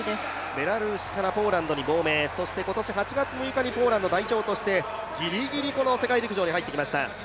ベラルーシからポーランドに亡命、そして今年８月６日にポーランド代表としてギリギリ入ってきました。